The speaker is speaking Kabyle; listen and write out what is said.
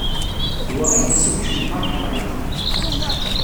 D wa ay d asakac n Park Ridge?